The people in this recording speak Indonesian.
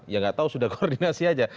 ya tidak tahu sudah koordinasi saja